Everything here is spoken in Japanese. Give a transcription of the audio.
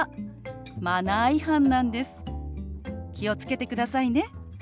気を付けてくださいね。